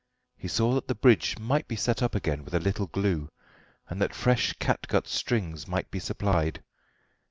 He saw that the bridge might be set up again with a little glue, and that fresh catgut strings might be supplied.